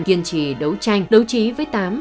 kiên trì đấu tranh đấu trí với tám